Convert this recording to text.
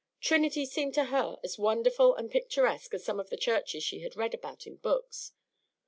Trinity seemed to her as wonderful and picturesque as some of the churches she had read about in books.